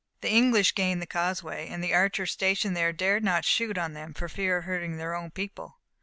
The English gained the causeway, and the archers stationed there dared not shoot on them for fear of hurting their own people.